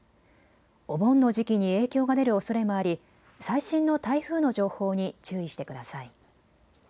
お盆の時期に影響が出るおそれもあり最新の台風の情報に注意してください。